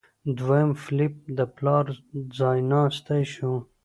دویم فلیپ د پلار ځایناستی شو.